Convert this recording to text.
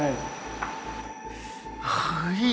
เสียงผู้หญิงร้องไทย